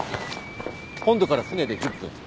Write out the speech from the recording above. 本土から船で１０分。